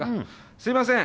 すいません